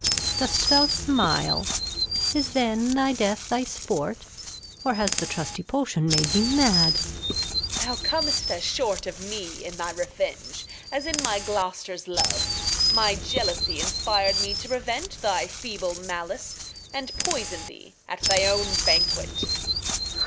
Dost thou Smile ? Is then thy Death thy Sport ? Or has the trusty Potion made thee mad ? Reg. Thou com'st as short of me in thy Revenge, As in my Gloster's Love ; my Jealousie 248 The History of [Act v Inspir'd me to prevent thy feeble Malice, And Poison thee at thy own Banquet.